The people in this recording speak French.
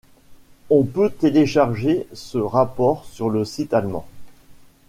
On peut télécharger ce rapport sur le site allemand.